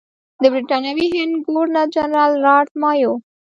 د برټانوي هند ګورنر جنرال لارډ مایو.